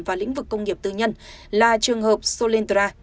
và lĩnh vực công nghiệp tư nhân là trường hợp solyndra